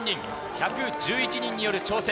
１１１人による挑戦。